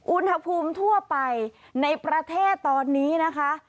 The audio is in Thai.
อุณหภูมิทั่วไปในประเทศตอนนี้นะคะ